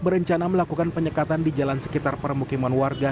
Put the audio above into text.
berencana melakukan penyekatan di jalan sekitar permukiman warga